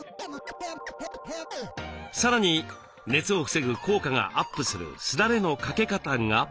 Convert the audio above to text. さらに熱を防ぐ効果がアップするすだれの掛け方が。